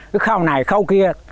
cái khâu này khâu kia